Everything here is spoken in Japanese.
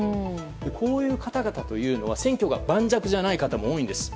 こういう方々は選挙が盤石じゃない方も多いんです。